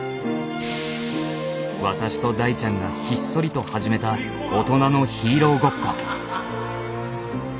私と大ちゃんがひっそりと始めた大人のヒーローごっこ。